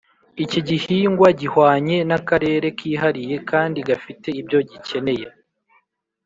Iki gihingwa gihwanye n’akarere kihariye kandi gafite ibyo gikeneye